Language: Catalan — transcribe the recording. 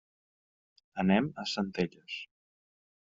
Anem a Centelles.